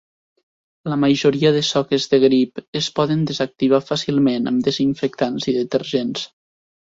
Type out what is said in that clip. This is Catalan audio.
La majoria de soques de grip es poden desactivar fàcilment amb desinfectants i detergents.